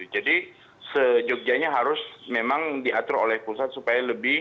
jadi sejogjanya harus memang diatur oleh pusat supaya lebih